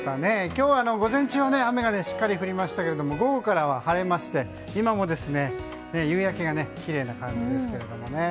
今日は午前中雨がしっかり降りましたが午後からは晴れまして今も夕焼けがきれいな感じですけれどもね。